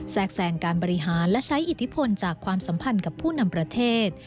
แทรกแสงการบริหารและใช้อิทธิพลจากความสัมพันธ์กับผู้นำประเทศ